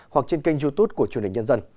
hoặc trên kênh youtube của truyền hình nhân dân